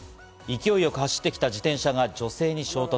勢いよく走ってきた自転車が女性に衝突。